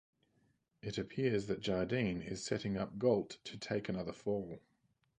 It appears that Jardine is setting up Galt to take another fall.